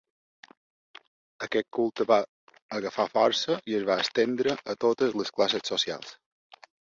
Aquest culte va agafar força i es va estendre a totes les classes socials.